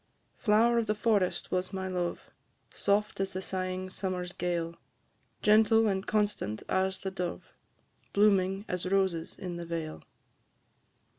Flower of the forest was my love, Soft as the sighing summer's gale, Gentle and constant as the dove, Blooming as roses in the vale.